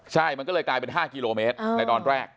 ใช่มันก็เลยกลายเป็น๕กิโลเมตรในตอนแรก